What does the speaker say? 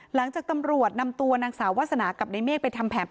หลังจากตำรวจนำตัวนางสาววาสนากับในเมฆไปทำแผน